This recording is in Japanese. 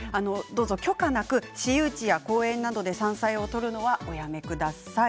どうぞ許可なく私有地や公園などで山菜を採るのはおやめください。